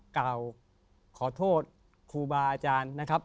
กล่าวขอโทษครูบาอาจารย์นะครับ